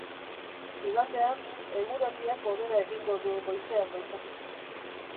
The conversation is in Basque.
Igandean, eguraldiak hobera egingo du goizean goizetik.